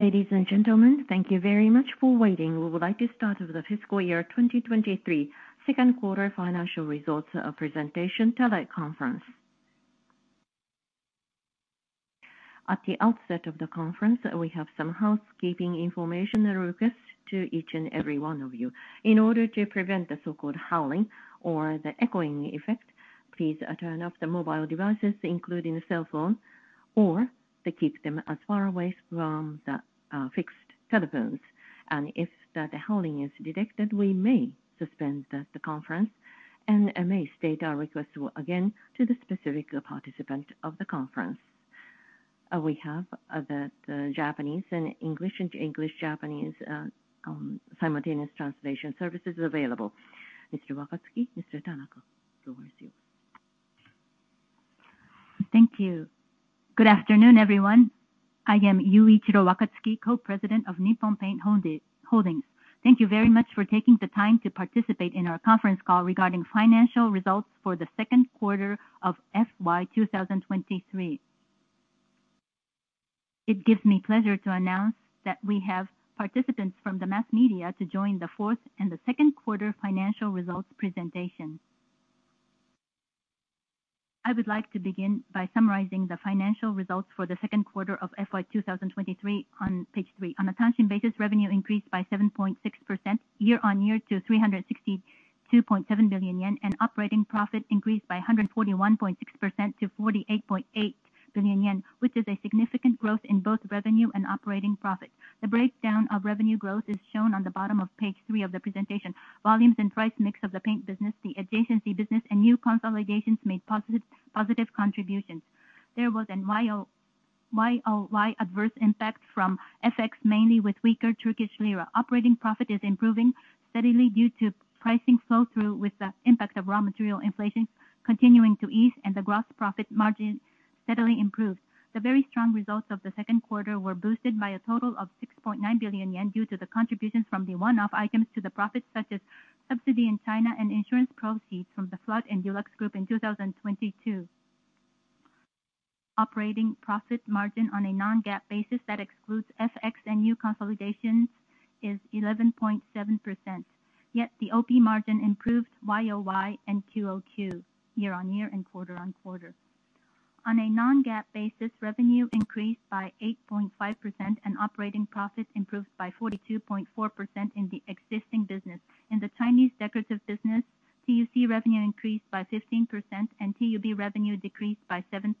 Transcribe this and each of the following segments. Ladies and gentlemen, thank you very much for waiting. We would like to start with the fiscal year 2023, second quarter financial results, presentation teleconference. At the outset of the conference, we have some housekeeping information request to each and every one of you. In order to prevent the so-called howling or the echoing effect, please turn off the mobile devices, including the cell phone, or keep them as far away from the fixed telephones. If the howling is detected, we may suspend the, the conference and, and may state our request again to the specific participant of the conference. We have the Japanese and English, into English, Japanese, simultaneous translation services available. Mr. Wakatsuki, Mr. Tanaka, the floor is yours. Thank you. Good afternoon, everyone. I am Yuichiro Wakatsuki, Co-president of Nippon Paint Holdings. Thank you very much for taking the time to participate in our conference call regarding financial results for the second quarter of FY 2023. It gives me pleasure to announce that we have participants from the mass media to join the fourth and the second quarter financial results presentation. I would like to begin by summarizing the financial results for the second quarter of FY 2023 on page three. On a Tanshin basis, revenue increased by 7.6% year-on-year to 362.7 billion yen, and operating profit increased by 141.6% to 48.8 billion yen, which is a significant growth in both revenue and operating profit. The breakdown of revenue growth is shown on the bottom of page three of the presentation. Volumes and price mix of the paint business, the adjacency business and new consolidations made positive contributions. There was a year-on-year adverse impact from FX, mainly with weaker Turkish lira. Operating profit is improving steadily due to pricing flow through, with the impact of raw material inflation continuing to ease and the gross profit margin steadily improved. The very strong results of the second quarter were boosted by a total of 6.9 billion yen, due to the contributions from the one-off items to the profits, such as subsidy in China and insurance proceeds from the flood in DuluxGroup in 2022. Operating profit margin on a non-GAAP basis that excludes FX and new consolidations is 11.7%, yet the OP margin improved year-on-year and quarter-on-quarter, year-on-year and quarter-on-quarter. On a non-GAAP basis, revenue increased by 8.5% and operating profit improved by 42.4% in the existing business. In the Chinese decorative business, TUC revenue increased by 15% and TUB revenue decreased by 7%.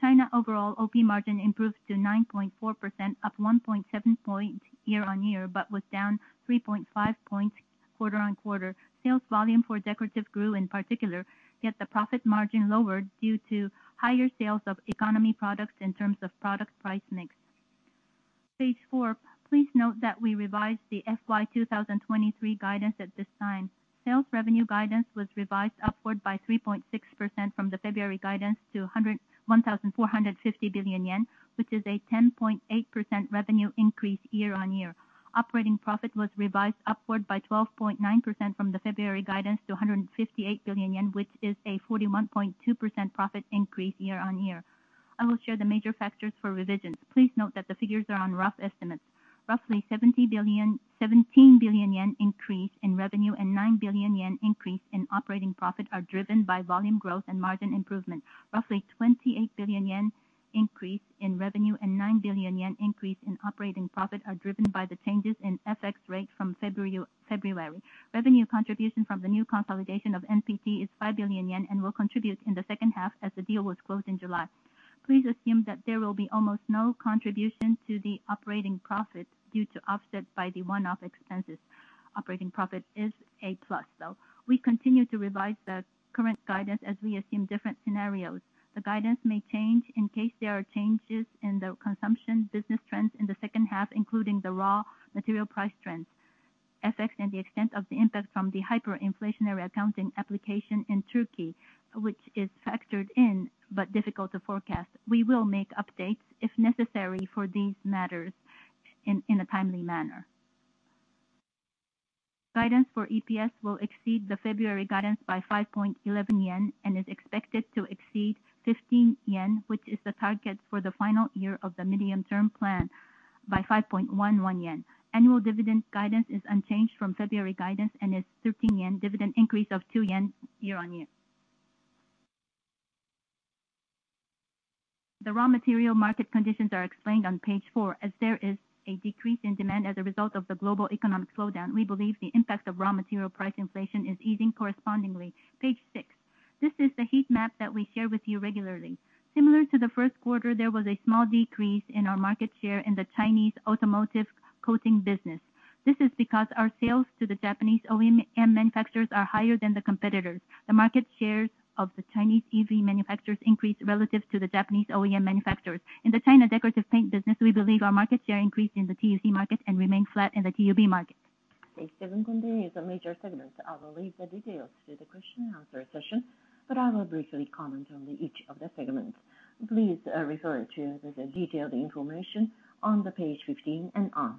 China overall OP margin improved to 9.4%, up 1.7 point year-on-year, but was down 3.5 points quarter-on-quarter. Sales volume for decorative grew in particular, yet the profit margin lowered due to higher sales of economy products in terms of product price mix. Page four. Please note that we revised the FY 2023 guidance at this time. Sales revenue guidance was revised upward by 3.6% from the February guidance to 1,450 billion yen, which is a 10.8% revenue increase year-on-year. Operating profit was revised upward by 12.9% from the February guidance to 158 billion yen, which is a 41.2% profit increase year-on-year. I will share the major factors for revisions. Please note that the figures are on rough estimates. Roughly 70 billion, 17 billion yen increase in revenue and 9 billion yen increase in operating profit are driven by volume growth and margin improvement. Roughly 28 billion yen increase in revenue and 9 billion yen increase in operating profit are driven by the changes in FX rate from February, February. Revenue contribution from the new consolidation of NPT is 5 billion yen and will contribute in the second half as the deal was closed in July. Please assume that there will be almost no contribution to the operating profit due to offset by the one-off expenses. Operating profit is a plus, though. We continue to revise the current guidance as we assume different scenarios. The guidance may change in case there are changes in the consumption business trends in the second half, including the raw material price trends, FX, and the extent of the impact from the hyperinflationary accounting application in Turkey, which is factored in, but difficult to forecast. We will make updates if necessary for these matters in a timely manner. Guidance for EPS will exceed the February guidance by 5.11 yen, and is expected to exceed 15 yen, which is the target for the final year of the medium-term plan by 5.11 yen. Annual dividend guidance is unchanged from February guidance and is 13 yen, dividend increase of 2 yen year-on-year. The raw material market conditions are explained on page four. As there is a decrease in demand as a result of the global economic slowdown, we believe the impact of raw material price inflation is easing correspondingly. Page six. This is the heat map that we share with you regularly. Similar to the first quarter, there was a small decrease in our market share in the Chinese automotive coating business. This is because our sales to the Japanese OEM manufacturers are higher than the competitors. The market shares of the Chinese EV manufacturers increased relative to the Japanese OEM manufacturers. In the China decorative paint business, we believe our market share increased in the TUC market and remained flat in the TUB market. Page seven contains the major segments. I will leave the details to the question and answer session, but I will briefly comment on the each of the segments. Please refer to the detailed information on page 15 and on.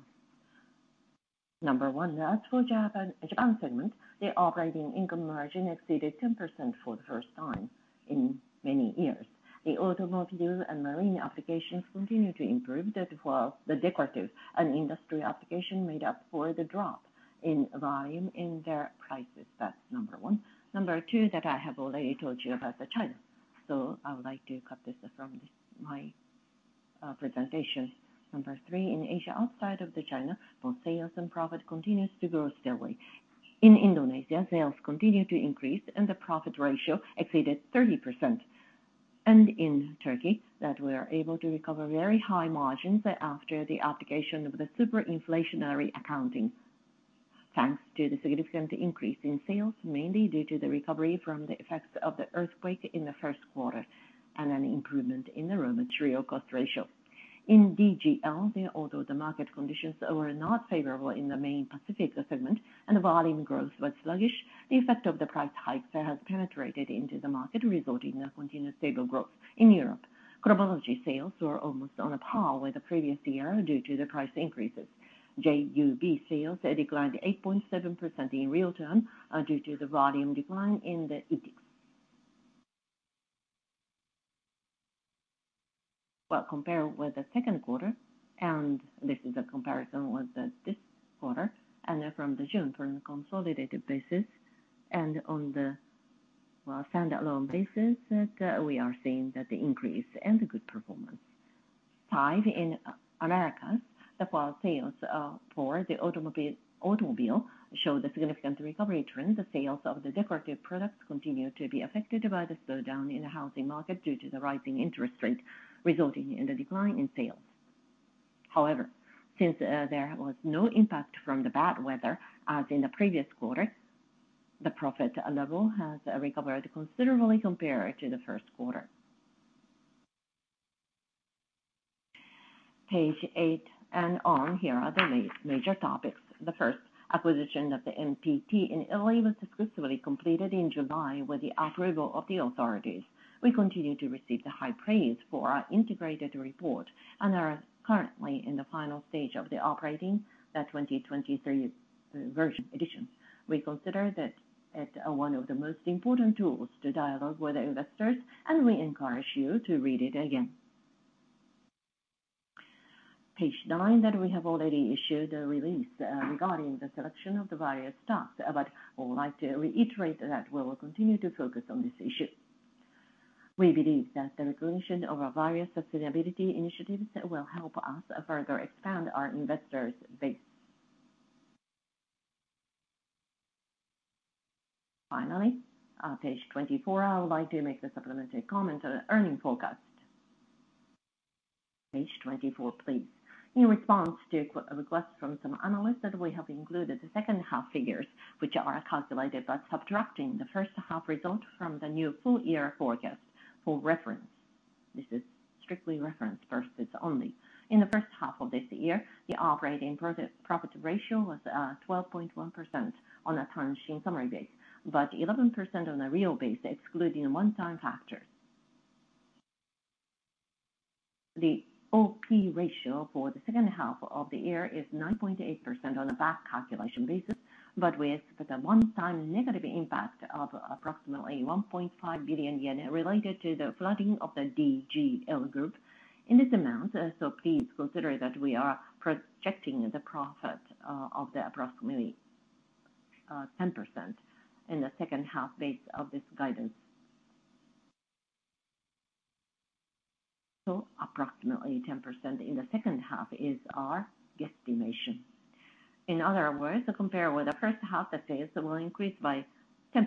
Number one, as for Japan, Japan segment, the operating income margin exceeded 10% for the first time in many years. The automotive and marine applications continue to improve, that while the decorative and industrial application made up for the drop in volume in their prices. That's number one. Number two, that I have already told you about the China, so I would like to cut this from this, my presentation. Number three, in Asia, outside of the China, both sales and profit continues to grow steadily. In Indonesia, sales continue to increase, the profit ratio exceeded 30%. In Turkey, that we are able to recover very high margins after the application of the hyperinflationary accounting, thanks to the significant increase in sales, mainly due to the recovery from the effects of the earthquake in the first quarter, and an improvement in the raw material cost ratio. In DGL, although the market conditions were not favorable in the main Pacific segment and the volume growth was sluggish, the effect of the price hikes has penetrated into the market, resulting in a continuous stable growth. In Europe, Cromology sales were almost on a par with the previous year due to the price increases. JUB sales declined 8.7% in real term due to the volume decline. Well, compared with the second quarter, and this is a comparison with the, this quarter and from the June from consolidated basis and on the, well, standalone basis, we are seeing that the increase and the good performance. Five, in Americas, the while sales for the automobile showed a significant recovery trend, the sales of the decorative products continued to be affected by the slowdown in the housing market due to the rising interest rate, resulting in a decline in sales. However, since there was no impact from the bad weather as in the previous quarter, the profit level has recovered considerably compared to the first quarter. Page eight and on, here are the major topics. The first, acquisition of the NPT in Italy, was successfully completed in July with the approval of the authorities. We continue to receive the high praise for our integrated report and are currently in the final stage of operating the 2023 version edition. We consider that it one of the most important tools to dialogue with the investors, and we encourage you to read it again. Page nine, that we have already issued a release regarding the selection of the various stocks, but I would like to reiterate that we will continue to focus on this issue. We believe that the recognition of our various sustainability initiatives will help us further expand our investors base. Finally, page 24, I would like to make the supplementary comments on the earning forecast. Page 24, please. In response to requests from some analysts, that we have included the second half figures, which are calculated by subtracting the first half results from the new full year forecast. For reference, this is strictly reference purposes only. In the first half of this year, the operating profit ratio was 12.1% on a Tanshin basis, but 11% on a real base, excluding one-time factors. The OP ratio for the second half of the year is 9.8% on a back calculation basis, but with the one-time negative impact of approximately 1.5 billion yen related to the flooding of the DuluxGroup. In this amount, please consider that we are projecting the profit of the approximately 10% in the second half base of this guidance. Approximately 10% in the second half is our guesstimation. In other words, compare with the first half, the sales will increase by 10%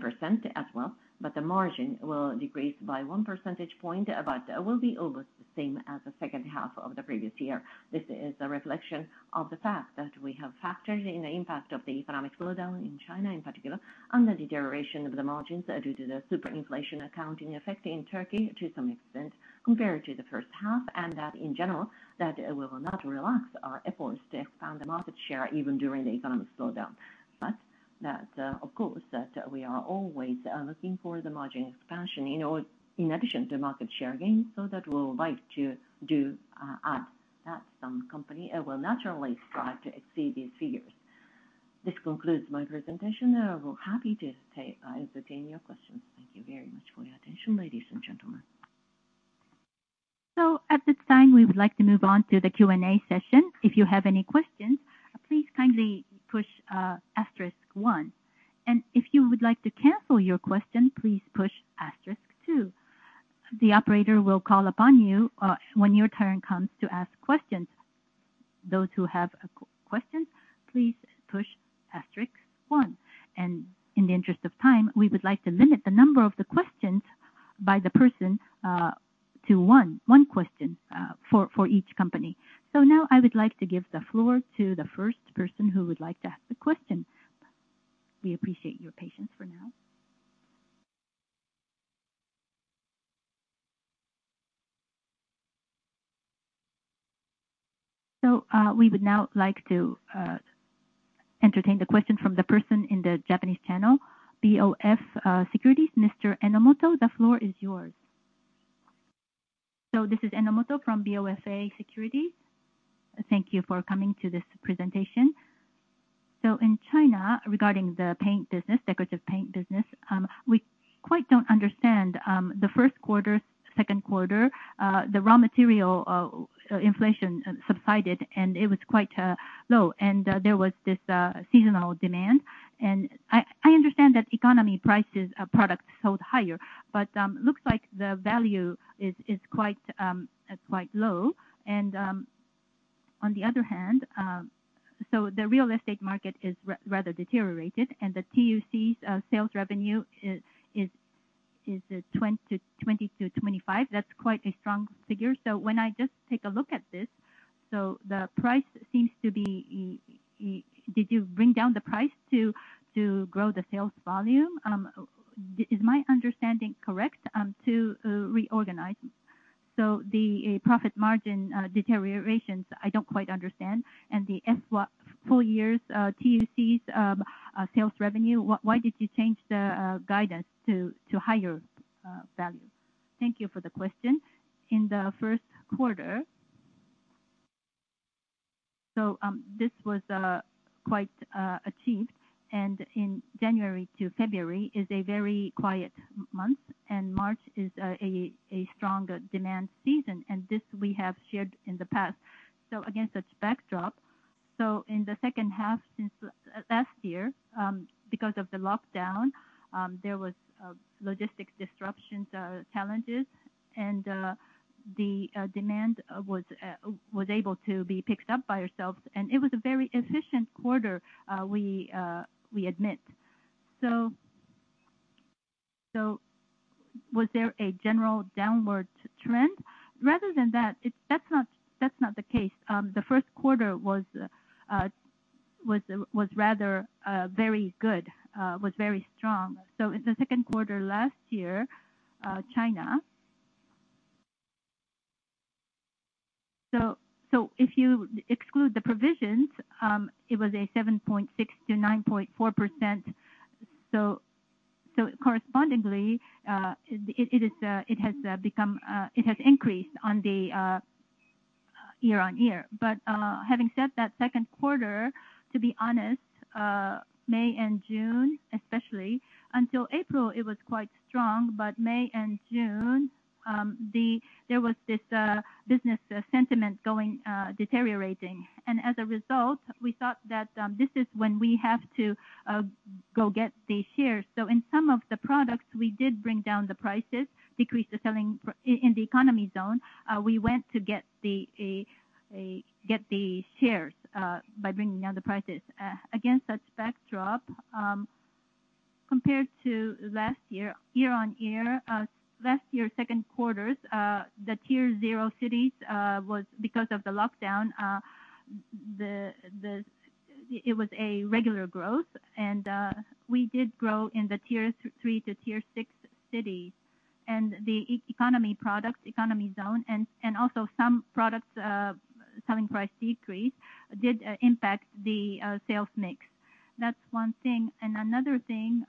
as well, but the margin will decrease by 1 percentage point, but will be almost the same as the second half of the previous year. This is a reflection of the fact that we have factored in the impact of the economic slowdown in China in particular, and the deterioration of the margins due to the super inflation accounting effect in Turkey to some extent, compared to the first half, and that in general, that we will not relax our efforts to expand the market share even during the economic slowdown. That, of course, that we are always looking for the margin expansion in or in addition to market share gains, so that we would like to do add that some company will naturally strive to exceed these figures. This concludes my presentation. I will happy to take, entertain your questions. Thank you very much for your attention, ladies and gentlemen. At this time, we would like to move on to the Q&A session. If you have any questions, please kindly push asterisk one, and if you would like to cancel your question, please push asterisk two. The operator will call upon you when your turn comes to ask questions. Those who have a question, please push asterisk one. In the interest of time, we would like to limit the number of the questions by the person to one question for each company. Now I would like to give the floor to the first person who would like to ask the question. We appreciate your patience for now. We would now like to entertain the question from the person in the Japanese channel, BofA Securities. Mr. Enomoto, the floor is yours. This is Enomoto from BofA Securities. Thank you for coming to this presentation. In China, regarding the paint business, decorative paint business, we quite don't understand, the first quarter, second quarter, the raw material inflation subsided, and it was quite low, and there was this seasonal demand. I, I understand that economy prices of products sold higher, but looks like the value is, is quite, quite low. On the other hand, the real estate market is rather deteriorated, and the TUC's sales revenue is, is, is at 20%-25%. That's quite a strong figure. When I just take a look at this, the price seems to be... Did you bring down the price to, to grow the sales volume? Is my understanding correct to reorganize? The profit margin deteriorations, I don't quite understand. The full years, TUC's sales revenue, why did you change the guidance to higher value? Thank you for the question. In the first quarter, this was quite achieved, and in January to February is a very quiet month, and March is a stronger demand season, and this we have shared in the past. Against that backdrop, in the second half, since last year, because of the lockdown, there was logistic disruptions, challenges, and the demand was able to be picked up by ourselves, and it was a very efficient quarter, we admit. Was there a general downward trend? Rather than that, that's not, that's not the case. The first quarter was, was, was rather, very good, was very strong. In the second quarter last year, China... If you exclude the provisions, it was a 7.6%-9.4%. Correspondingly, it, it is, it has become, it has increased on the year-on-year. Having said that, second quarter, to be honest, May and June, especially, until April, it was quite strong, but May and June, the, there was this, business, sentiment going, deteriorating. As a result, we thought that, this is when we have to go get the shares. In some of the products, we did bring down the prices, decreased the selling prices in the economy zone, we went to get the shares by bringing down the prices. Against that backdrop, compared to last year, year-on-year, last year, second quarters, the Tier 0 cities was because of the lockdown, it was a regular growth. We did grow in the Tier 3 to Tier 6 cities. The economy products, economy zone, and also some products, selling price decrease, did impact the sales mix. That's one thing. Another thing,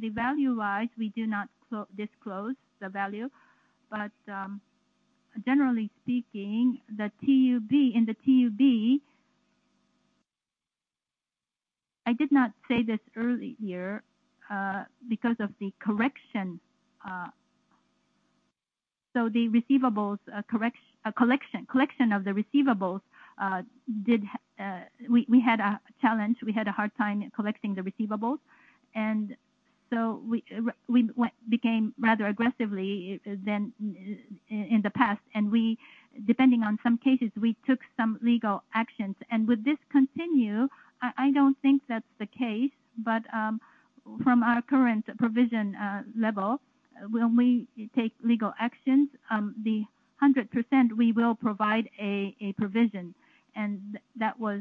the value-wise, we do not disclose the value, but, generally speaking, the TUB, in the TUB... I did not say this earlier, because of the correction... The receivables collection, collection of the receivables did, we had a challenge. We had a hard time collecting the receivables, and so we went, became rather aggressively than in the past, and we, depending on some cases, we took some legal actions. Would this continue? I, I don't think that's the case, but from our current provision level, when we take legal actions, 100% we will provide a provision, and that was,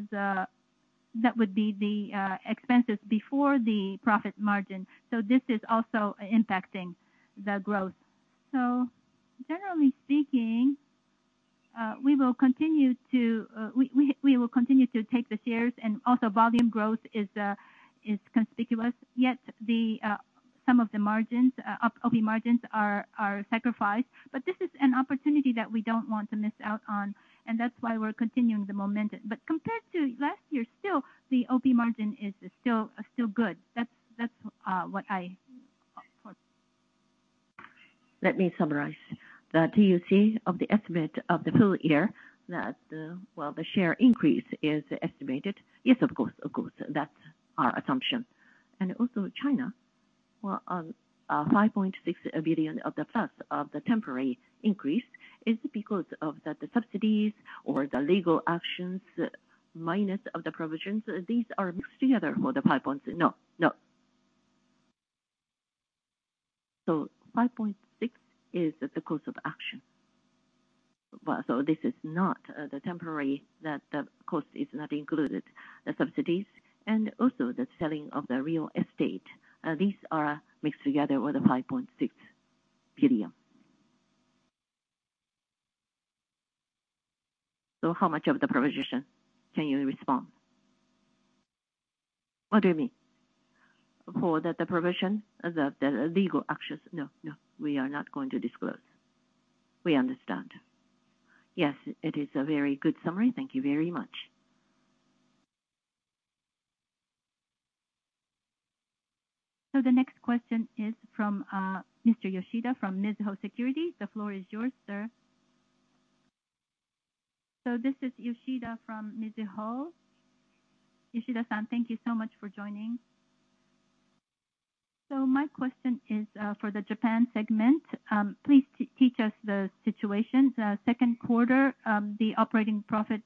that would be the expenses before the profit margin. This is also impacting the growth. Generally speaking, we will continue to, we, we, we will continue to take the shares, and also volume growth is conspicuous. Yet, some of the margins, OP margins are sacrificed. This is an opportunity that we don't want to miss out on, and that's why we're continuing the momentum. Compared to last year, still, the OP margin is still, still good. That's, that's what I put. Let me summarize. The TUC of the estimate of the full year, that the share increase is estimated. Yes, of course, of course, that's our assumption. Also China, well, 5.6 billion of the plus of the temporary increase is because of the subsidies or the legal actions, minus of the provisions, these are mixed together for the 5 points? No, no. 5.6 is the cost of action. Well, this is not the temporary, that the cost is not included. The subsidies and also the selling of the real estate, these are mixed together with the 5.6 billion. How much of the provision can you respond? What do you mean? For the provision, the legal actions. No, no, we are not going to disclose. We understand. Yes, it is a very good summary. Thank you very much. The next question is from Mr. Yoshida from Mizuho Securities. The floor is yours, sir. This is Yoshida from Mizuho. Yoshida-san, thank you so much for joining. My question is for the Japan segment. Please teach us the situation. The second quarter, the operating profit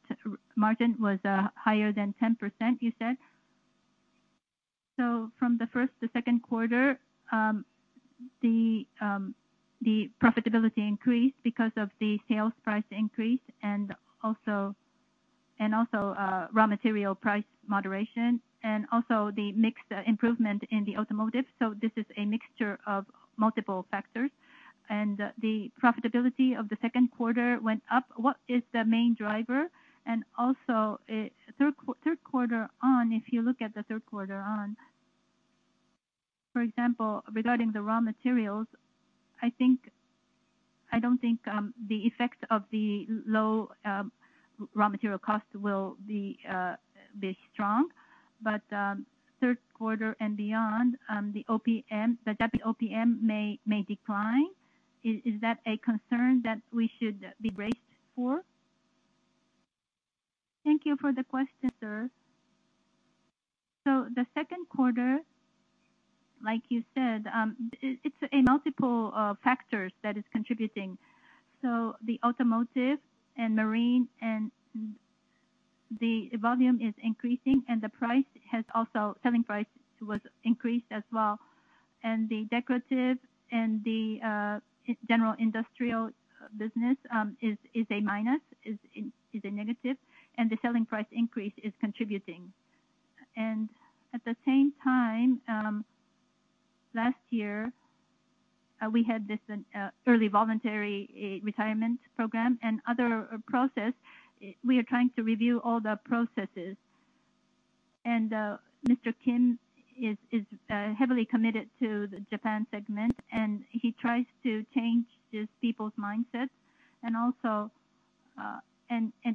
margin was higher than 10%, you said. From the first to second quarter, the profitability increased because of the sales price increase and also, and also, raw material price moderation, and also the mixed improvement in the automotive. This is a mixture of multiple factors, and the profitability of the second quarter went up. What is the main driver? Also, third quarter on, if you look at the third quarter on, for example, regarding the raw materials, I think... I don't think, the effects of the low raw material cost will be strong. Third quarter and beyond, the OPM, the JP OPM may, may decline. Is, is that a concern that we should be braced for? Thank you for the question, sir. The second quarter, like you said, it's a multiple factors that is contributing. The automotive and marine and the volume is increasing, and the price has also, selling price was increased as well. The decorative and the general industrial business is a minus, is in a negative, and the selling price increase is contributing. At the same time, last year, we had this early voluntary retirement program and other process. We are trying to review all the processes. Mr. Kim is heavily committed to the Japan segment, and he tries to change his people's mindsets and also,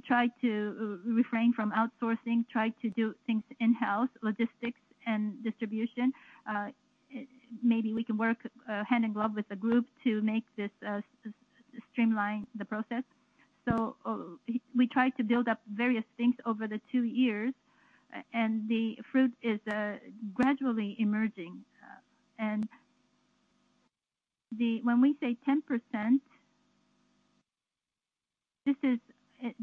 try to refrain from outsourcing, try to do things in-house, logistics and distribution. Maybe we can work hand in glove with the group to make this streamline the process. We tried to build up various things over the two years, and the fruit is gradually emerging. When we say 10%, this is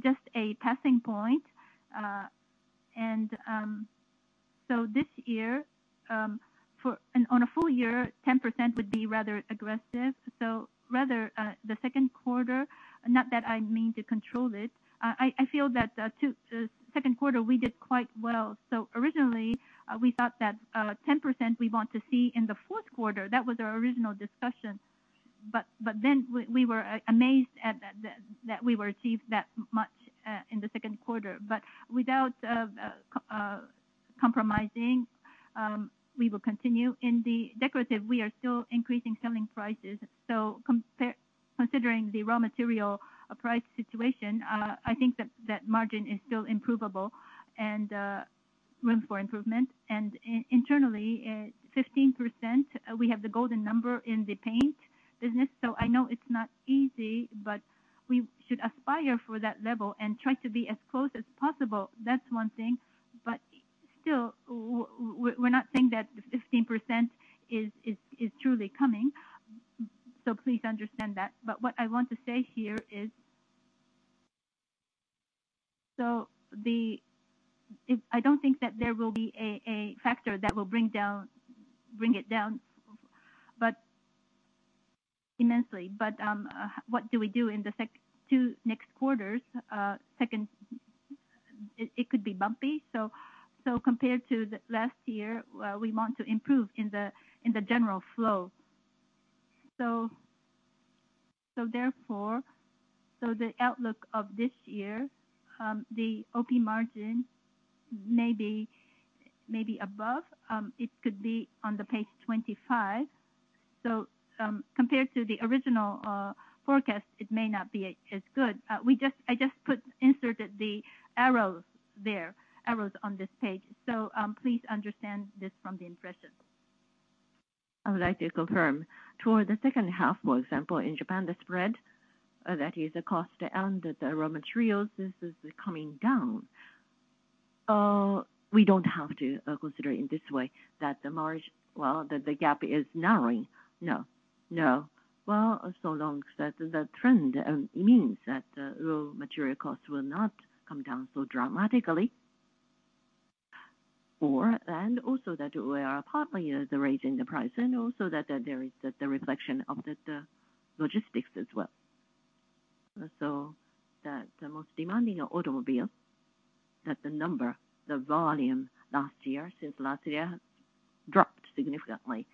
just a passing point. This year, for, and on a full year, 10% would be rather aggressive. Rather, the second quarter, not that I mean to control it, I feel that, second quarter, we did quite well. Originally, we thought that, 10% we want to see in the fourth quarter. That was our original discussion. Then we were amazed at that we were achieved that much, in the second quarter. Without compromising, we will continue. In the decorative, we are still increasing selling prices. Compare, considering the raw material price situation, I think that, that margin is still improvable and room for improvement. Internally, 15%, we have the golden number in the paint business, so I know it's not easy, but we should aspire for that level and try to be as close as possible. That's one thing, but still, we're, we're not saying that the 15% is, is, is truly coming. Please understand that. What I want to say here is, so the, it... I don't think that there will be a, a factor that will bring down, bring it down, but immensely. What do we do in the second two next quarters? Second, it could be bumpy. Compared to the last year, we want to improve in the, in the general flow. Therefore, the outlook of this year, the OP margin may be, may be above, it could be on the page 25. Compared to the original, forecast, it may not be as good. We just, I just put, inserted the arrows there, arrows on this page. Please understand this from the impression. I would like to confirm. Toward the second half, for example, in Japan, the spread, that is the cost and the raw materials, this is coming down. Uh- We don't have to, consider it in this way, that the margin, well, that the gap is narrowing. No, no. So long as that the trend means that raw material costs will not come down so dramatically, or and also that we are partly raising the price and also that, that there is the reflection of the logistics as well. The most demanding are automobile-... that the number, the volume last year, since last year, dropped significantly.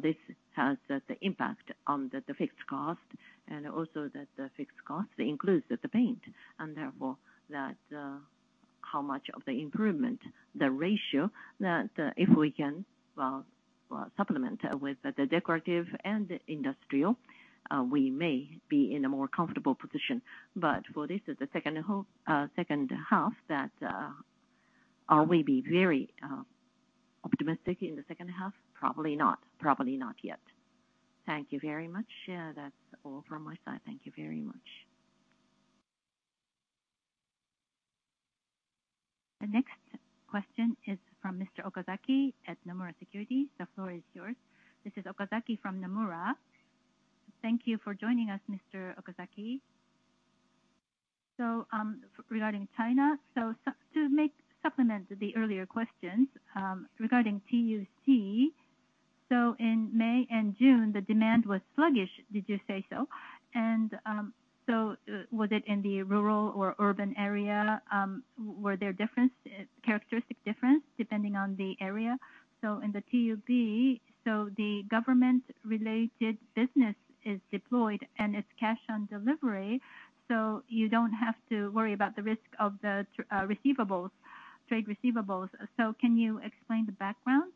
This has the impact on the fixed cost, and also that the fixed cost includes the paint, and therefore that how much of the improvement, the ratio, that if we can, well, well, supplement with the decorative and industrial, we may be in a more comfortable position. For this, the second whole, second half, that are we be very optimistic in the second half? Probably not. Probably not yet. Thank you very much. That's all from my side. Thank you very much. The next question is from Mr. Okazaki at Nomura Securities. The floor is yours. This is Okazaki from Nomura. Thank you for joining us, Mr. Okazaki. Regarding China, to make supplement the earlier questions, regarding TUC, in May and June, the demand was sluggish. Did you say so? Was it in the rural or urban area, were there difference, characteristic difference depending on the area? In the TUB, the government-related business is deployed and it's cash on delivery, you don't have to worry about the risk of the receivables, trade receivables. Can you explain the background?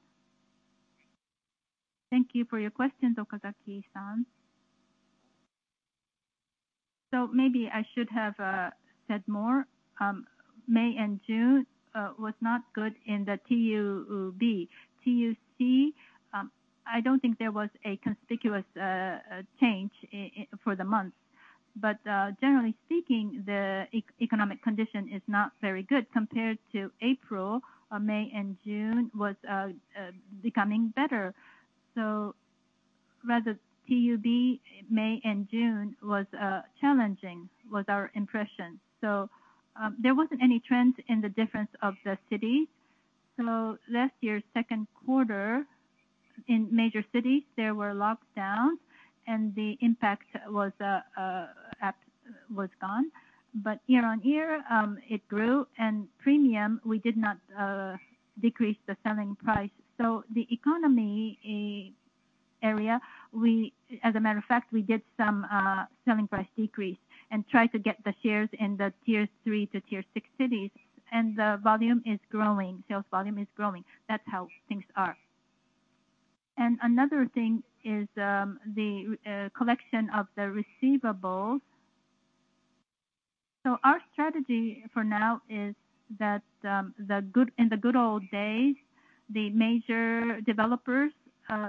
Thank you for your question, Okazaki-san. Maybe I should have said more. May and June was not good in the TUB. TUC, I don't think there was a conspicuous change for the month. But generally speaking, the economic condition is not very good. Compared to April, May and June was becoming better. Rather TUB, May and June was challenging, was our impression. There wasn't any trends in the difference of the cities. Last year, 2nd quarter, in major cities, there were lockdowns and the impact was gone. Year-on-year, it grew, and premium, we did not decrease the selling price. The economy area, we... as a matter of fact, we did some selling price decrease and tried to get the shares in the Tier 3 to Tier 6 cities, and the volume is growing. Sales volume is growing. That's how things are. Another thing is the collection of the receivables. Our strategy for now is that, in the good old days, the major developers,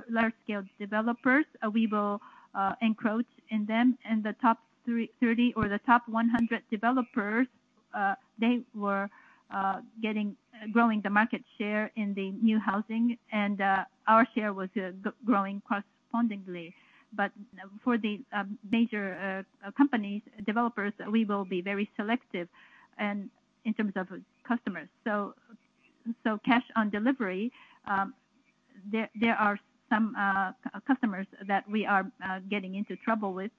large-scale developers, we will encroach in them. The top 30 or the top 100 developers, they were getting, growing the market share in the new housing, and our share was growing correspondingly. For the major companies, developers, we will be very selective and, in terms of customers. Cash on delivery, there are some customers that we are getting into trouble with,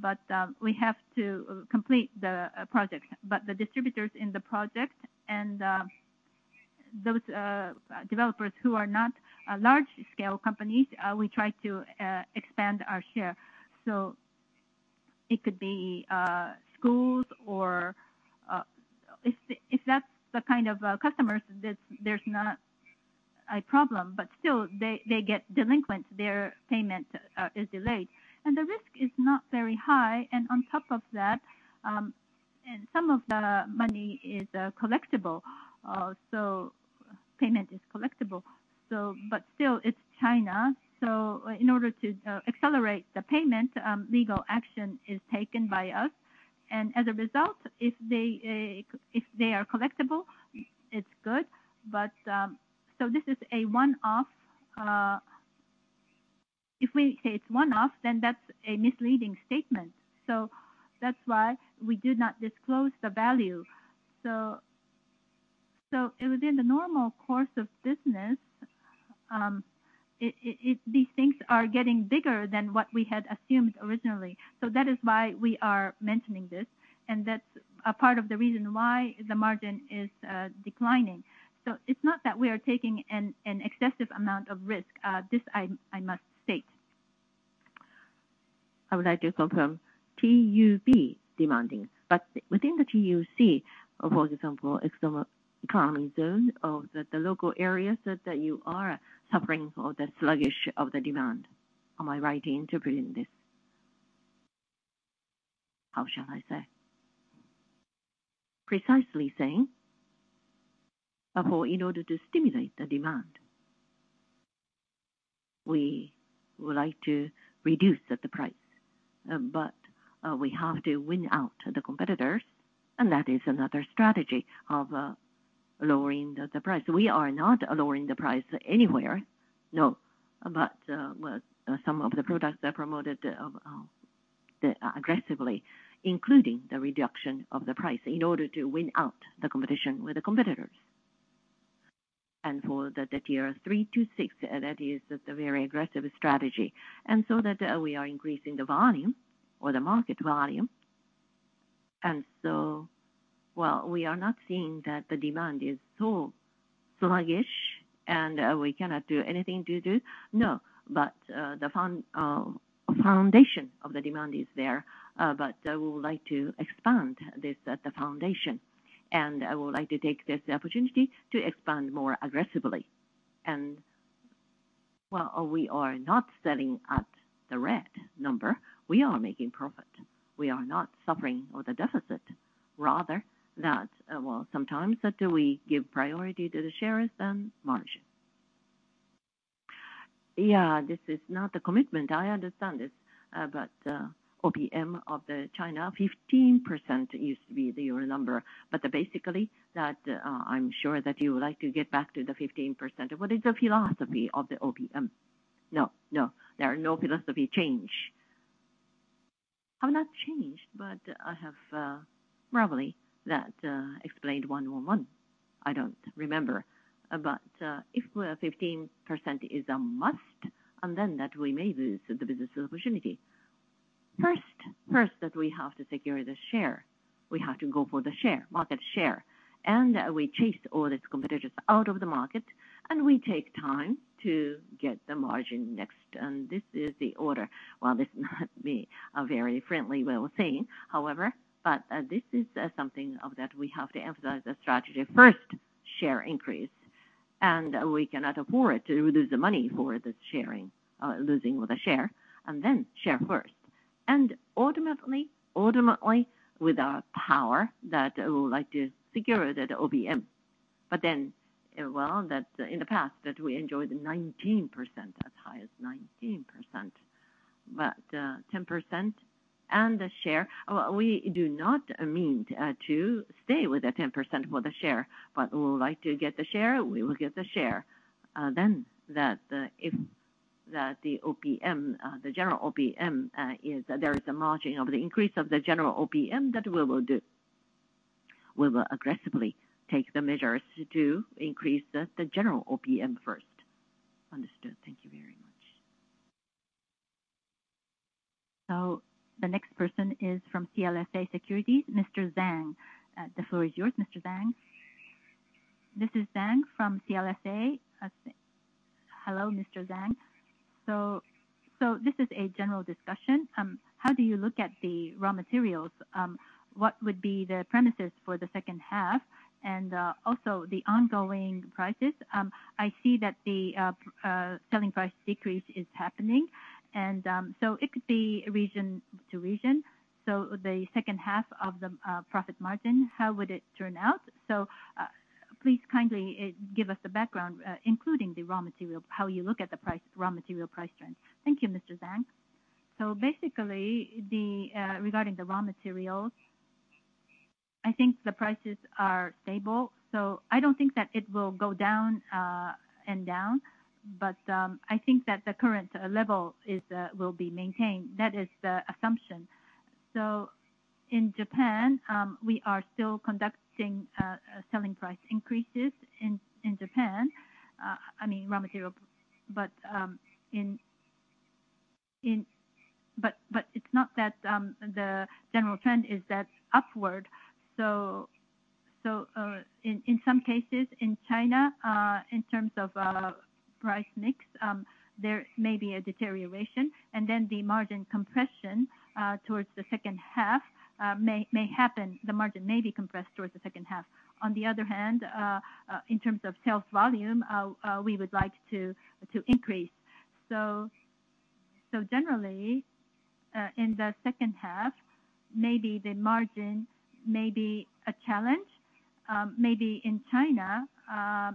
but we have to complete the project. The distributors in the project and those developers who are not large-scale companies, we try to expand our share. It could be schools or if the, if that's the kind of customers, there's, there's not a problem, but still they, they get delinquent, their payment is delayed. The risk is not very high, on top of that, some of the money is collectible. Payment is collectible. But still, it's China, so in order to accelerate the payment, legal action is taken by us. As a result, if they, if they are collectible, it's good. This is a one-off. If we say it's one-off, then that's a misleading statement. That's why we do not disclose the value. Within the normal course of business, these things are getting bigger than what we had assumed originally. That is why we are mentioning this, and that's a part of the reason why the margin is declining. It's not that we are taking an excessive amount of risk. This I must state. I would like to confirm, TUB demanding. Within the TUC, for example, external economy zone or the local areas that you are suffering from the sluggish of the demand. Am I right in interpreting this? How shall I say? Precisely saying, for in order to stimulate the demand, we would like to reduce the price, we have to win out the competitors, and that is another strategy of lowering the price. We are not lowering the price anywhere, no. Well, some of the products are promoted aggressively, including the reduction of the price in order to win out the competition with the competitors. For the Tier 3 to 6, that is the very aggressive strategy. So that, we are increasing the volume or the market volume. So while we are not seeing that the demand is so sluggish and, we cannot do anything to do, no, but the foundation of the demand is there. We would like to expand this, the foundation, and I would like to take this opportunity to expand more aggressively. While we are not selling at the red number, we are making profit. We are not suffering with the deficit. Rather that, well, sometimes that we give priority to the shares than margin. Yeah, this is not the commitment. I understand this. OPM of the China, 15% used to be your number, but basically that, I'm sure that you would like to get back to the 15%. What is the philosophy of the OPM? No, no, there are no philosophy change. I've not changed, but I have probably that explained one on one. I don't remember. If we are 15% is a must, and then that we may lose the business opportunity. First, first, that we have to secure the share. We have to go for the share, market share, and we chase all the competitors out of the market, and we take time to get the margin next, and this is the order. While this may not be a very friendly well thing, however, this is something of that we have to emphasize the strategy. First, share increase. We cannot afford to lose the money for the sharing, losing with the share, and then share first. Ultimately, ultimately, with our power, that I would like to secure the OPM. Well, that in the past, that we enjoyed 19%, as high as 19%. 10% and the share, we do not mean to stay with the 10% for the share, but we would like to get the share. We will get the share. That, if that the OPM, the general OPM, is there is a margin of the increase of the general OPM that we will do. We will aggressively take the measures to increase the, the general OPM first. Understood. Thank you very much. The next person is from CLSA Securities, Mr. Zhang. The floor is yours, Mr. Zhang. This is Zhang from CLSA. Hello, Mr. Zhang. This is a general discussion. How do you look at the raw materials? What would be the premises for the second half and also the ongoing prices? I see that the selling price decrease is happening, and it could be region to region. The second half of the profit margin, how would it turn out? Please kindly give us the background, including the raw material, how you look at the price, raw material price trend. Thank you, Mr. Zhang. Basically, regarding the raw materials, I think the prices are stable, so I don't think that it will go down, and down. I think that the current level is will be maintained. That is the assumption. In Japan, we are still conducting selling price increases in Japan. I mean, raw material, but it's not that the general trend is that upward. In some cases in China, in terms of price mix, there may be a deterioration, and then the margin compression towards the second half, may, may happen. The margin may be compressed towards the second half. On the other hand, in terms of sales volume, we would like to, to increase. Generally, in the second half, maybe the margin may be a challenge. Maybe in China,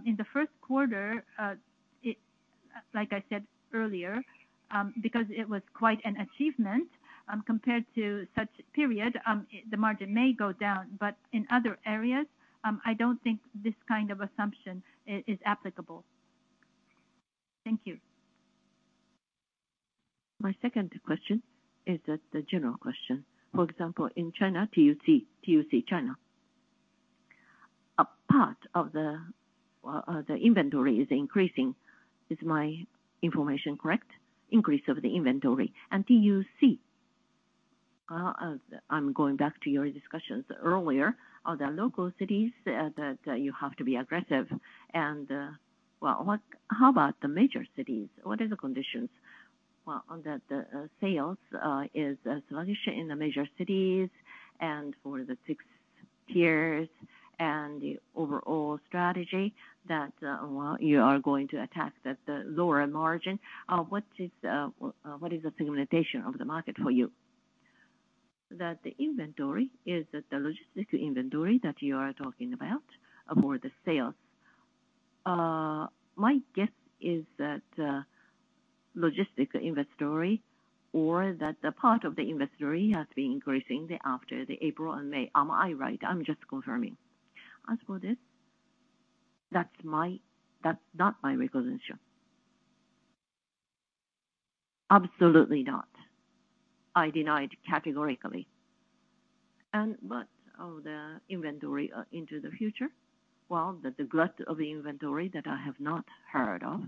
in the first quarter, it, like I said earlier, because it was quite an achievement, compared to such period, the margin may go down. In other areas, I don't think this kind of assumption i- is applicable. Thank you. My second question is that the general question. For example, in China, TUC, TUC, China, a part of the inventory is increasing. Is my information correct? Increase of the inventory and TUC. I'm going back to your discussions earlier, on the local cities, that you have to be aggressive. Well, what, how about the major cities? What are the conditions? Well, on the, the, sales, is sluggish in the major cities and for the six tiers and the overall strategy that, well, you are going to attack the, the lower margin. What is, what is the segmentation of the market for you? That the inventory is the logistic inventory that you are talking about for the sales. My guess is that logistic inventory or that the part of the inventory has been increasing the after the April and May. Am I right? I'm just confirming. As for this, that's my... That's not my recognition. Absolutely not. I denied categorically. Oh, the inventory into the future? The glut of inventory that I have not heard of.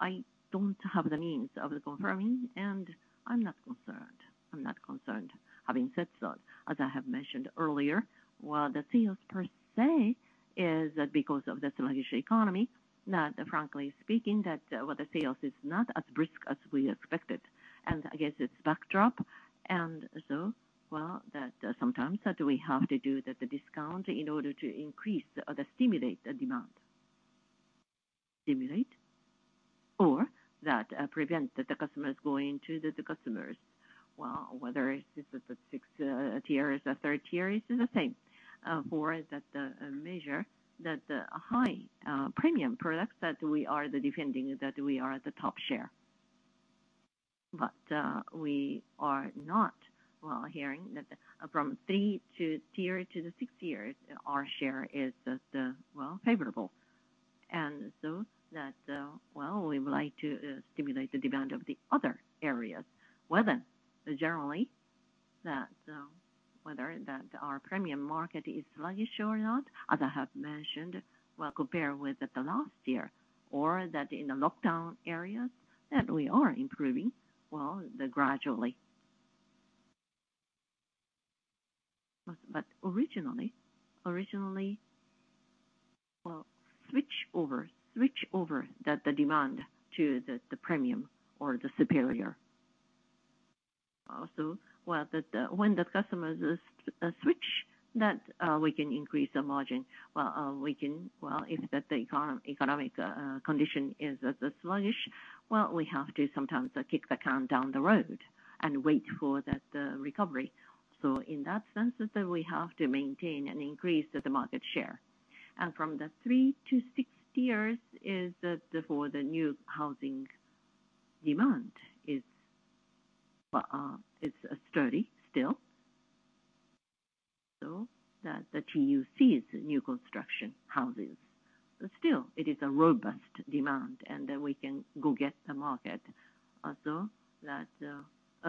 I don't have the means of confirming, and I'm not concerned. I'm not concerned, having said so. As I have mentioned earlier, the sales per se is that because of the sluggish economy, now frankly speaking, the sales is not as brisk as we expected, and I guess it's backdrop. That sometimes we have to do the discount in order to increase or to stimulate the demand. Stimulate or that prevent the customers going to the, the customers. Well, whether it's the, the sixth Tier or the third Tier is the same for that measure, that the high premium products that we are the defending, that we are at the top share. We are not, well, hearing that the from three to Tier to the six Tiers, our share is just, well, favorable. So that, well, we would like to stimulate the demand of the other areas, whether generally, that whether that our premium market is sluggish or not, as I have mentioned, well, compared with the last year, or that in the lockdown areas, that we are improving, well, gradually. But originally, originally, well, switch over, switch over the, the demand to the, the premium or the superior. Also, well, that, when the customers switch, that, we can increase the margin. Well, if that the economic condition is sluggish, well, we have to sometimes kick the can down the road and wait for that recovery. In that sense, is that we have to maintain and increase the market share. From the three to six tiers for the new housing demand is, well, is sturdy still. That the TUC is new construction houses, but still it is a robust demand, and then we can go get the market. Also, that,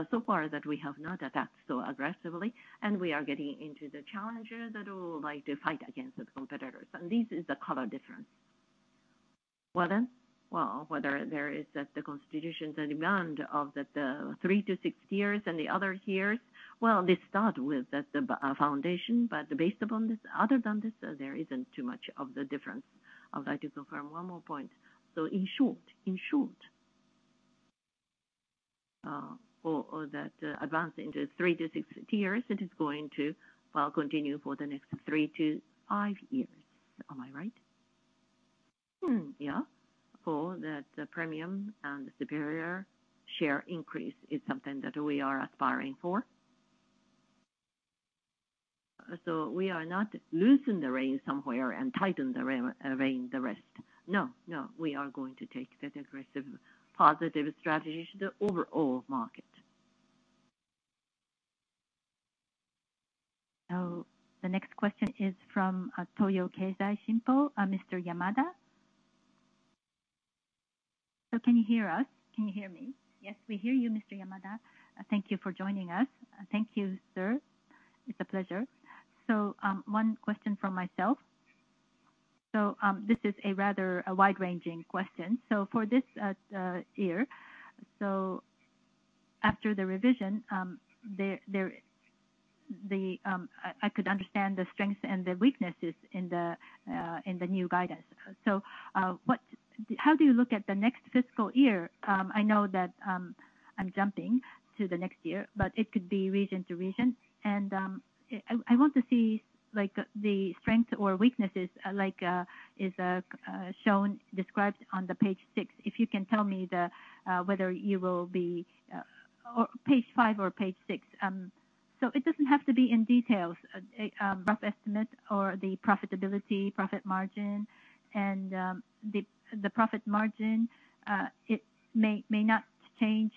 so far that we have not attacked so aggressively, and we are getting into the challenger that will like to fight against the competitors, and this is the color difference. Well, then, well, whether there is that, the constitution, the demand of the, the 3 to 6 tiers and the other tiers, well, they start with the, the, foundation, but based upon this, other than this, there isn't too much of the difference. I would like to confirm one more point. In short, in short, for, or that advance into three to six tiers, it is going to, well, continue for the next three to five years. Am I right? Hmm, yeah. For that premium and the superior share increase is something that we are aspiring for. We are not loosen the rein somewhere and tighten the rein the rest. No, no, we are going to take that aggressive, positive strategy to the overall market. Now, the next question is from, Toyo Keizai Shinpo, Mr. Yamada. Can you hear us? Can you hear me? Yes, we hear you, Mr. Yamada. Thank you for joining us. Thank you, sir. It's a pleasure. One question from myself. This is a rather a wide-ranging question. For this year, after the revision, there, there, the, I, I could understand the strengths and the weaknesses in the new guidance. What... How do you look at the next fiscal year? I know that, I'm jumping to the next year, but it could be region to region. I want to see, like, the strength or weaknesses, like, is shown, described on the page six. If you can tell me the whether you will be or page five or page six? It doesn't have to be in details, rough estimate or the profitability, profit margin, and the, the profit margin, it may not change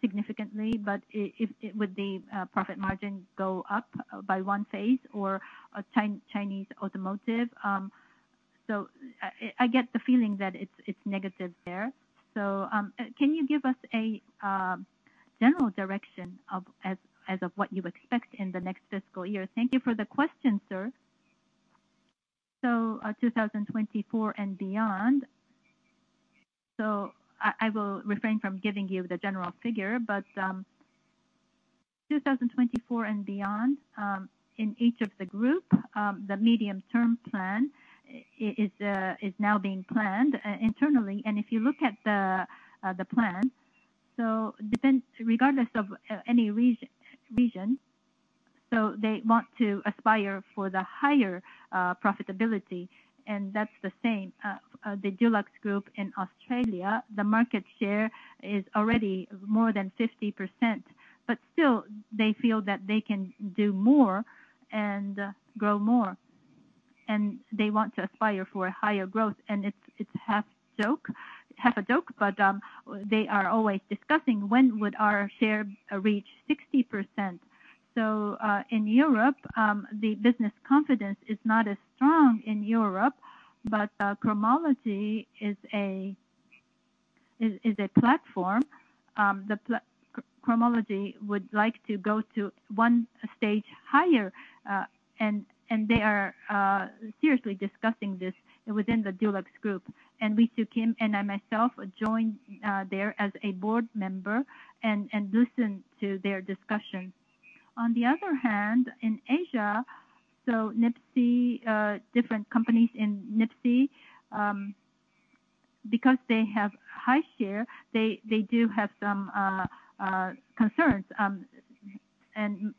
significantly, but with the profit margin go up by one phase or Chinese automotive. I get the feeling that it's negative there. Can you give us a general direction of as, as of what you expect in the next fiscal year? Thank you for the question, sir. 2024 and beyond. I, I will refrain from giving you the general figure, but 2024 and beyond, in each of the group, the medium-term plan is now being planned internally. If you look at the plan, so depends, regardless of any region, so they want to aspire for the higher profitability, and that's the same. The DuluxGroup in Australia, the market share is already more than 50%, but still they feel that they can do more and grow more, and they want to aspire for higher growth. It's, it's half joke, half a joke, but they are always discussing: When would our share reach 60%? In Europe, the business confidence is not as strong in Europe, but Cromology is a, is, is a platform. Cromology would like to go to one stage higher, and, and they are seriously discussing this within the DuluxGroup. Ritsuo Kim and I, myself, joined there as a board member and, and listen to their discussion. On the other hand, in Asia, NIPSEA, different companies in NIPSEA, because they have high share, they, they do have some concerns.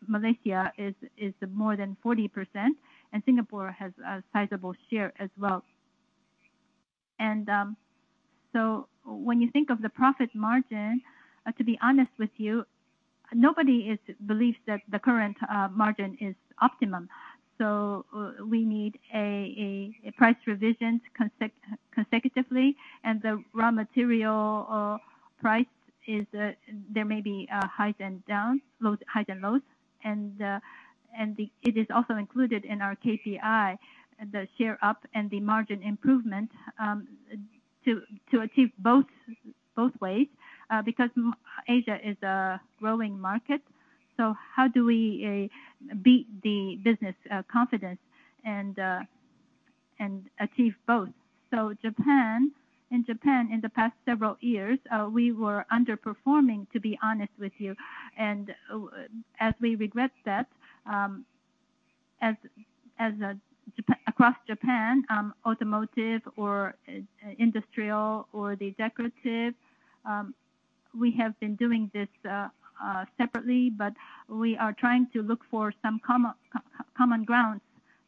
Malaysia is, is more than 40%, and Singapore has a sizable share as well. When you think of the profit margin, to be honest with you, nobody is, believes that the current margin is optimum. We need a price revision consecutively, the raw material price is, there may be highs and lows. It is also included in our KPI, the share up and the margin improvement, to achieve both, both ways, because Asia is a growing market. How do we beat the business confidence and achieve both? Japan, in Japan, in the past several years, we were underperforming, to be honest with you. As we regret that, across Japan, automotive or industrial or the decorative, we have been doing this separately, but we are trying to look for some common grounds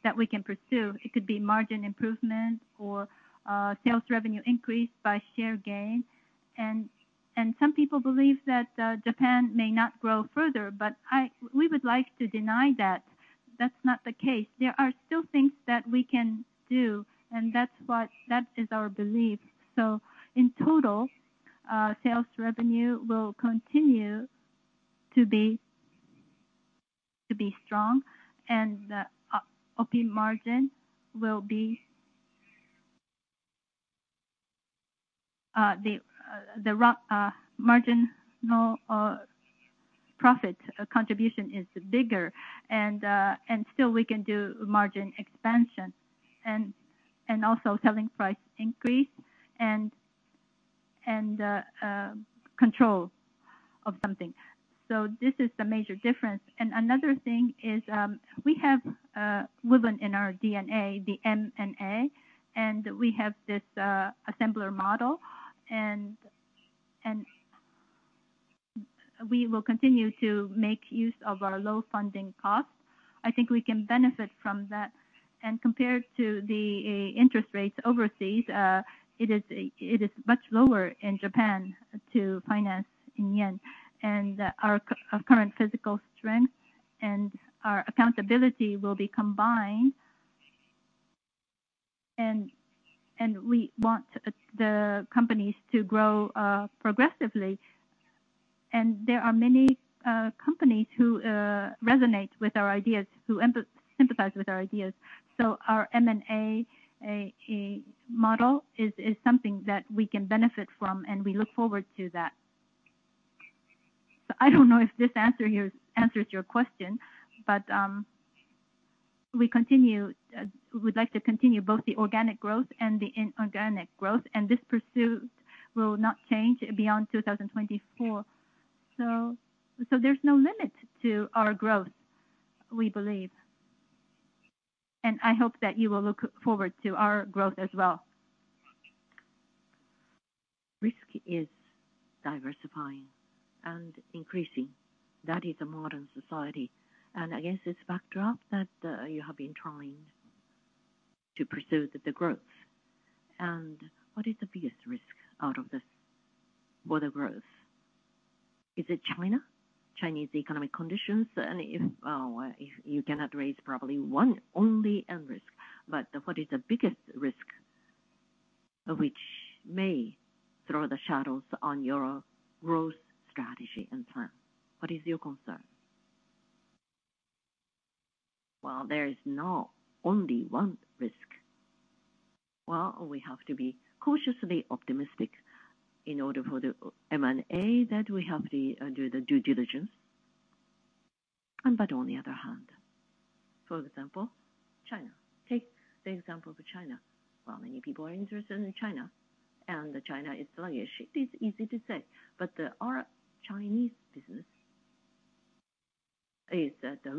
that we can pursue. It could be margin improvement or sales revenue increase by share gains. Some people believe that Japan may not grow further, but we would like to deny that. That's not the case. There are still things that we can do. That is our belief. In total, sales revenue will continue to be, to be strong, and the OP margin will be the margin, profit contribution is bigger, and still we can do margin expansion and also selling price increase and control of something. This is the major difference. Another thing is, we have woven in our D&A, the M&A, and we have this Assembler Model, and we will continue to make use of our low funding costs. I think we can benefit from that. Compared to the interest rates overseas, it is much lower in Japan to finance in yen. Our current physical strength and our accountability will be combined, and we want the companies to grow progressively. There are many companies who resonate with our ideas, who sympathize with our ideas. Our M&A model is something that we can benefit from, and we look forward to that. I don't know if this answer here answers your question, but we continue, we would like to continue both the organic growth and the inorganic growth, and this pursuit will not change beyond 2024. There's no limit to our growth, we believe. I hope that you will look forward to our growth as well. Risk is diversifying and increasing. That is a modern society. Against this backdrop that you have been trying to pursue the growth. What is the biggest risk out of this for the growth? Is it China, Chinese economic conditions? If you cannot raise probably one only end risk, but what is the biggest risk which may throw the shadows on your growth strategy and plan? What is your concern? Well, there is no only one risk. Well, we have to be cautiously optimistic in order for the M&A that we have do the due diligence. On the other hand, for example, China. Take the example of China. Well, many people are interested in China, and China is sluggish. It's easy to say, but our Chinese business is at the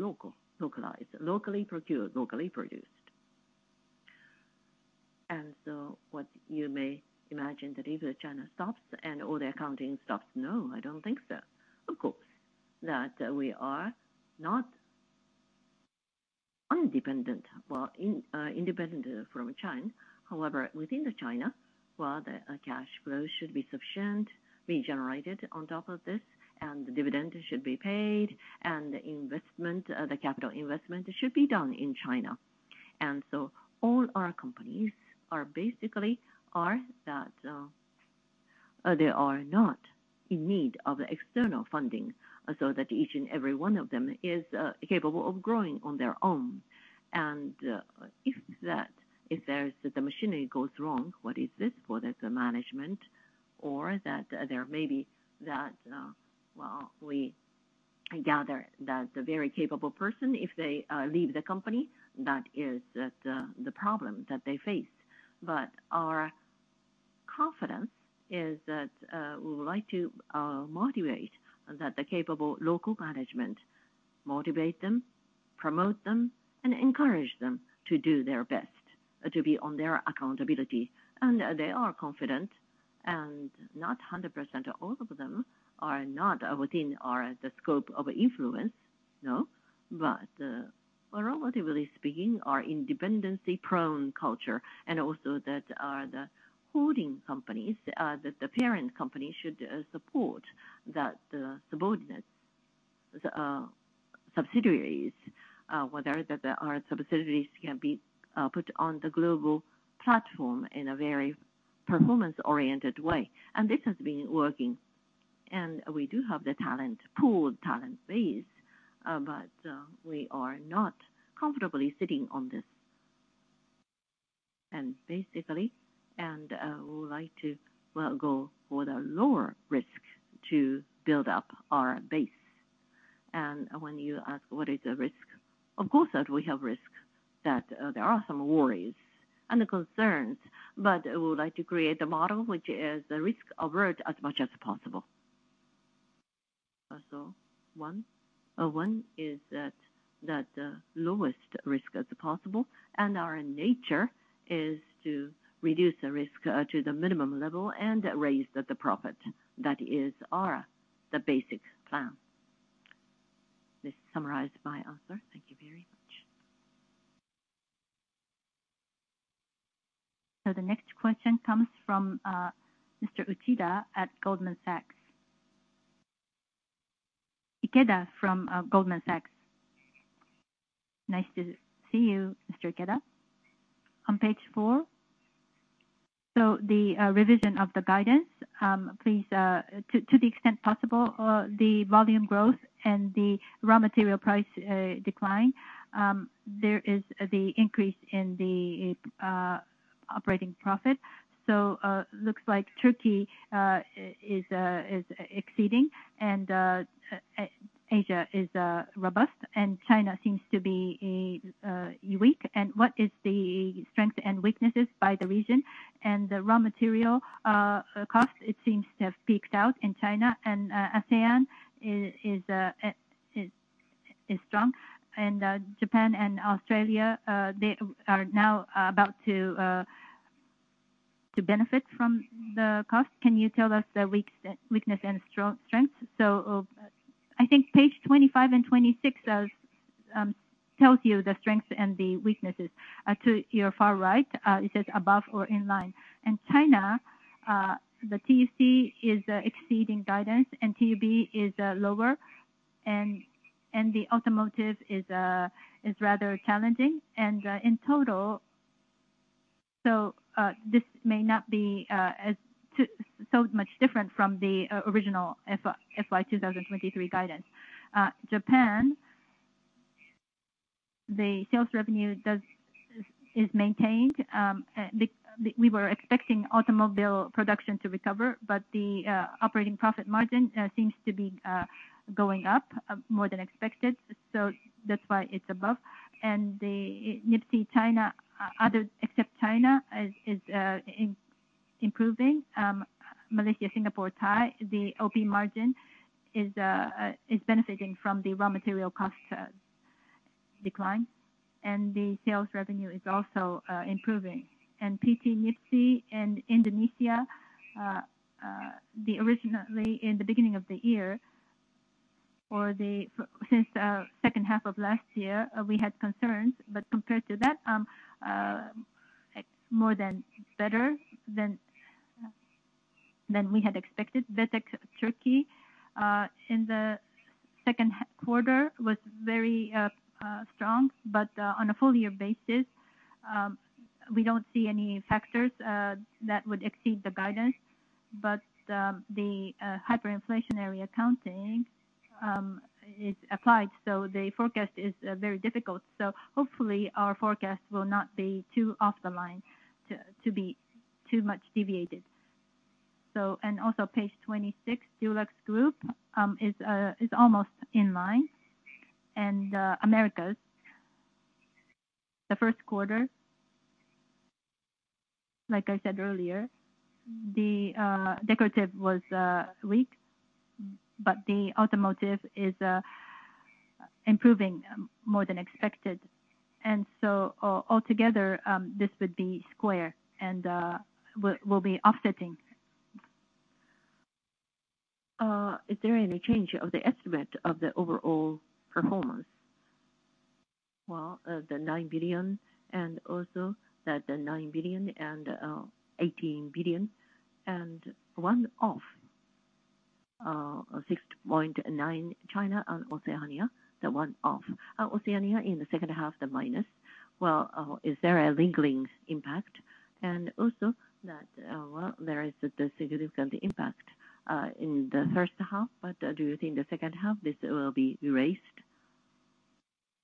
localized, locally procured, locally produced. What you may imagine that if China stops and all the accounting stops, no, I don't think so. Of course, that we are not independent, well, in independent from China. However, within the China, well, the cash flow should be sufficient, regenerated on top of this, and the dividend should be paid, and the investment, the capital investment should be done in China. All our companies are basically are that.... they are not in need of external funding, so that each and every one of them is capable of growing on their own. If that, if there is, the machinery goes wrong, what is this for the management? That there may be that, well, we gather that the very capable person, if they leave the company, that is that, the problem that they face. Our confidence is that we would like to motivate, that the capable local management, motivate them, promote them, and encourage them to do their best to be on their accountability. They are confident, and not 100% all of them are not within our, the scope of influence. No. Relatively speaking, our independency-prone culture, and also that, the holding companies, that the parent company should support that the subordinates, the subsidiaries, whether that there are subsidiaries can be put on the global platform in a very performance-oriented way. This has been working. We do have the talent pool, talent base, but we are not comfortably sitting on this. Basically, we would like to, well, go for the lower risk to build up our base. When you ask what is the risk? Of course, that we have risk, that there are some worries and concerns, but we would like to create a model which is risk-avert as much as possible. Also, one, one is that, that, lowest risk as possible, and our nature is to reduce the risk to the minimum level and raise the profit. That is our basic plan. This is summarized by Arthur. Thank you very much. The next question comes from Mr. Uchida at Goldman Sachs. Ikeda from Goldman Sachs. Nice to see you, Mr. Ikeda. On page four, the revision of the guidance, please, to the extent possible, the volume growth and the raw material price decline, there is the increase in the operating profit. Looks like Turkey is exceeding and Asia is robust, and China seems to be weak. What is the strength and weaknesses by the region? The raw material cost, it seems to have peaked out in China, and ASEAN is strong. Japan and Australia, they are now about to benefit from the cost. Can you tell us the weak- weakness and strong- strength? I think page 25 and 26 tells you the strengths and the weaknesses. To your far right, it says above or in line. China, the TEC is exceeding guidance and TEB is lower, and the automotive is rather challenging. In total, this may not be so much different from the original FY 2023 guidance. Japan, the sales revenue is maintained. We were expecting automobile production to recover, but the operating profit margin seems to be going up more than expected, so that's why it's above. The NIPSEA China, other except China, is improving. Malaysia, Singapore, Thai, the OP margin is benefiting from the raw material cost decline, and the sales revenue is also improving. PT NIPSEA in Indonesia, the originally in the beginning of the year or the since second half of last year, we had concerns, but compared to that, more than better than, than we had expected. Betek Turkey, in the second quarter was very strong, but on a full-year basis, we don't see any factors that would exceed the guidance. The hyperinflationary accounting is applied, so the forecast is very difficult. Hopefully, our forecast will not be too off the line to, to be too much deviated. Also page 26, DuluxGroup is almost in line. Americas, the first quarter, like I said earlier, the decorative was weak, but the automotive is improving more than expected. Altogether, this would be square and will, will be offsetting. Is there any change of the estimate of the overall performance? The 9 billion and also that the 9 billion and 18 billion and one-off.... 6.9 China and Oceania, the one-off. Oceania in the second half, the minus. Well, is there a lingering impact? Also that, well, there is a significant impact in the first half, but do you think the second half, this will be erased?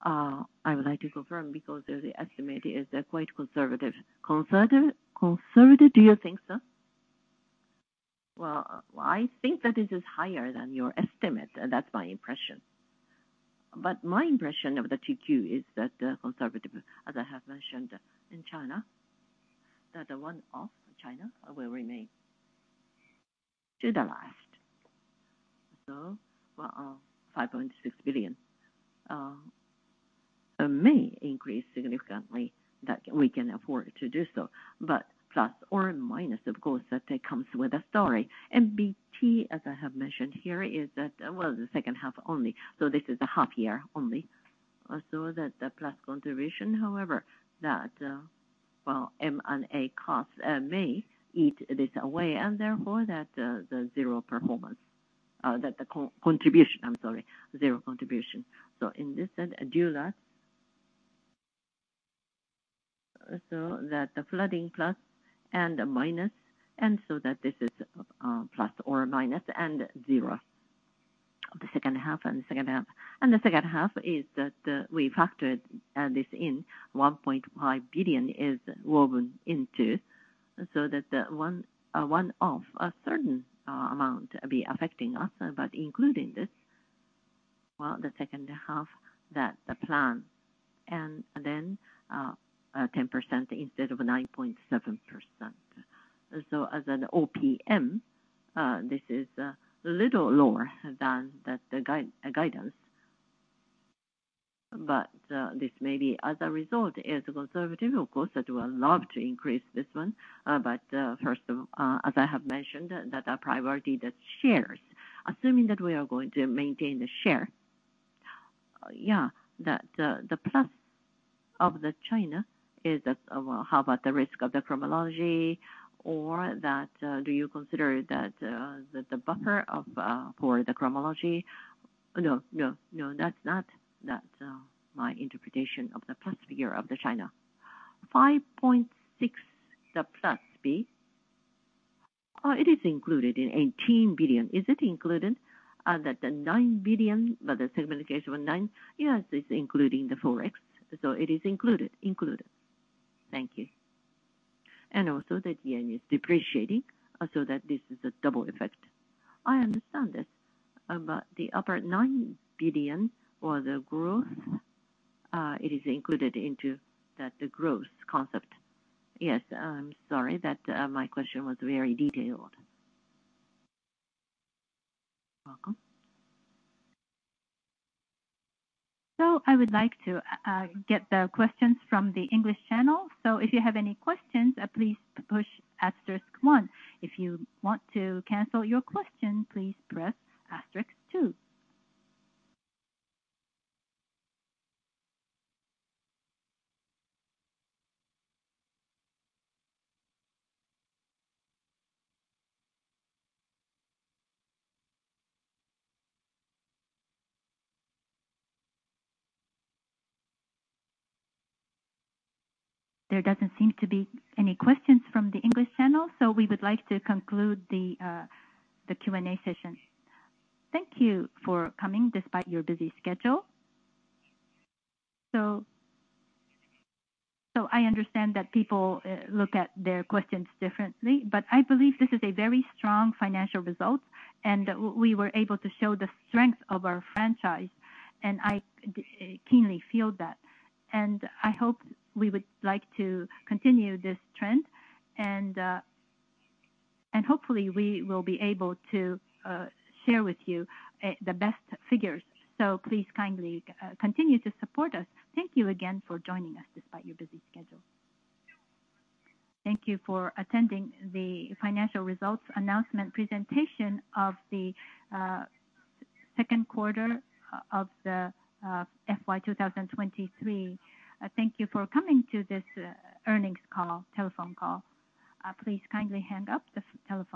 I would like to confirm because the estimate is quite conservative. Conservative, conservative, do you think so? Well, I think that this is higher than your estimate, and that's my impression. My impression of the TQ is that the conservative, as I have mentioned in China, that the one-off China will remain to the left. Well, $5.6 billion may increase significantly that we can afford to do so, but plus or minus, of course, that it comes with a story. BT, as I have mentioned here, is that the second half only, this is a half year only. That the plus contribution, however, that M&A costs may eat this away, therefore, that the 0 performance, that the contribution, I'm sorry, 0 contribution. In this end, dual that. That the flooding plus and the minus, this is plus or minus and zero. The second half and the second half. The second half is that we factored this in 1.5 billion is woven into, that the one, one-off a certain amount be affecting us, including this, the second half, that the plan 10% instead of 9.7%. As an OPM, this is little lower than the guide, guidance, this may be as a result, is conservative. Of course, I would love to increase this one, first of, as I have mentioned, that our priority that shares. Assuming that we are going to maintain the share, yeah, that, the plus of the China is that, how about the risk of the Cromology or that, do you consider that, the, the buffer of, for the Cromology? No, no, no, that's not, that's, my interpretation of the plus figure of the China. 5.6, the plus B, it is included in 18 billion. Is it included, that the 9 billion, the segmentation of 9? Yes, it's including the Forex, it is included. Included. Thank you. The yen is depreciating, so that this is a double effect. I understand this, the upper 9 billion or the growth, it is included into that, the growth concept. I'm sorry that my question was very detailed. Welcome. I would like to get the questions from the English channel. If you have any questions, please push asterisk one. If you want to cancel your question, please press asterisk two. There doesn't seem to be any questions from the English channel, we would like to conclude the Q&A session. Thank you for coming despite your busy schedule. I understand that people look at their questions differently, I believe this is a very strong financial result, and we were able to show the strength of our franchise, and I keenly feel that. I hope we would like to continue this trend, and hopefully, we will be able to share with you the best figures. Please kindly continue to support us. Thank you again for joining us despite your busy schedule. Thank you for attending the financial results announcement presentation of the second quarter of the FY 2023. Thank you for coming to this earnings call, telephone call. Please kindly hang up the telephone.